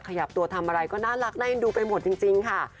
ขยับตัวทำอะไรก็น่ารักน่าเอ็นดูไปหมดจริงค่ะ